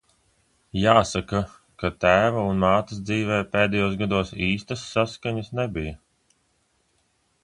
Jāsaka, ka tēva un mātes dzīvē pēdējos gados īstas saskaņas nebija.